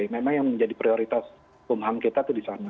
memang yang menjadi prioritas pumham kita tuh di sana